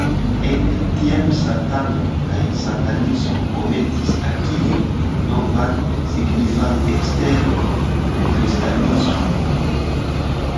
Ekde tiam, Satano kaj Satanismo komencis akiri novan signifan ekster Kristanismo.